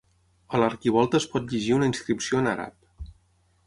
A l'arquivolta es pot llegir una inscripció en àrab.